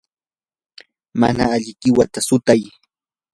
mana alli qiwata sutay.